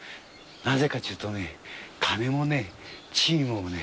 なぜかというと金もね、地位もね